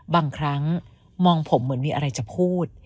บางครั้งมองผมเหมือนมีอะไรจะพูด